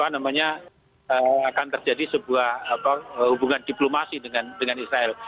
karena namanya akan terjadi sebuah hubungan diplomasi dengan israel